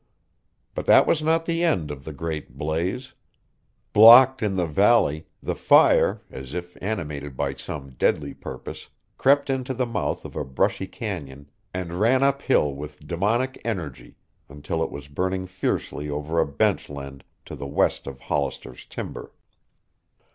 But that was not the end of the great blaze. Blocked in the valley, the fire, as if animated by some deadly purpose, crept into the mouth of a brushy canyon and ran uphill with demoniac energy until it was burning fiercely over a benchland to the west of Hollister's timber.